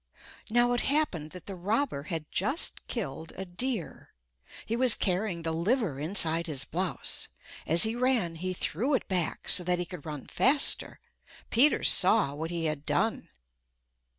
Now it happened that the robber had just killed a deer. He was carrying the liver inside his blouse. As he ran he threw it back so that he could run faster. Peter saw what he had done.